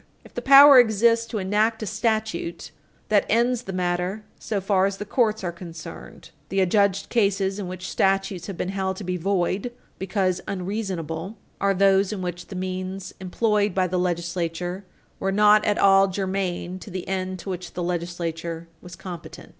If the power exists to enact a statute, that ends the matter so far as the courts are concerned. The adjudged cases in which statutes have been held to be void because unreasonable are those in which the means employed by the legislature were not at all germane to the end to which the legislature was competent.